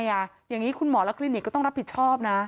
อย่างนี้คุณหมอและคลินิกก็ต้องรับผิดชอบนะ